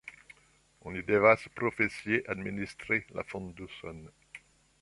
Oni devas profesie administri la fonduson.